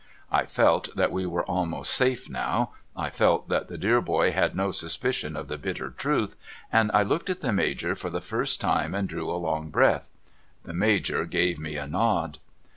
I felt that we were almost safe now, I felt that the dear boy had no suspicion of the bitter truth, and I looked at the Major for the first time and drew a long breath. The Major gave me a nod.